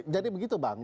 jadi begitu bang